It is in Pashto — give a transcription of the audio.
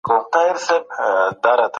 مخکې له دې چي عربان افغانستان ته راسي،